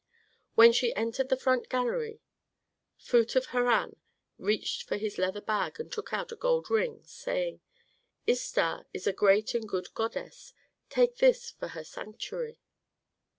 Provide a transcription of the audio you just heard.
When she entered the front gallery, Phut of Harran reached for his leather bag and took out a gold ring, saying, "Istar is a great and good goddess; take this for her sanctuary."